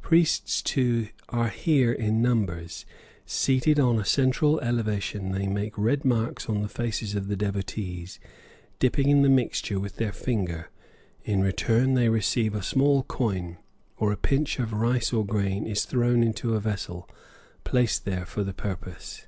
Priests, too, are here in numbers; seated on a central elevation they make red marks on the faces of the devotees, dipping in the mixture with their finger; in return they receive a small coin, or a pinch of rice or grain is thrown into a vessel placed there for the purpose.